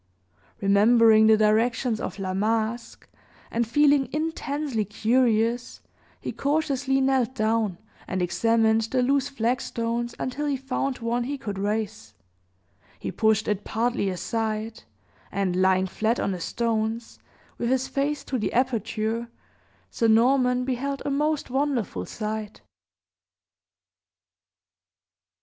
Remembering the directions of La Masque, and feeling intensely curious, he cautiously knelt down, and examined the loose flagstones until he found one he could raise; he pushed it partly aside, and, lying flat on the stones, with his face to the aperture, Sir Norman beheld a most wonderful sight.